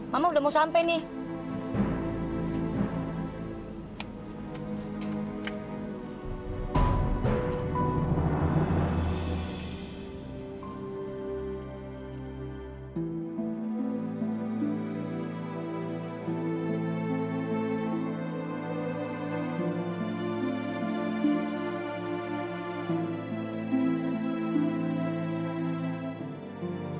mama udah mau sampai nih